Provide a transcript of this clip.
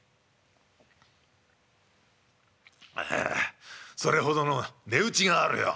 「ああそれほどの値打ちがあるよ。